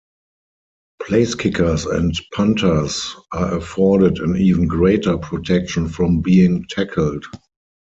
Place kickers and punters are afforded an even greater protection from being tackled.